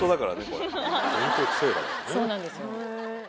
・そうなんですよ。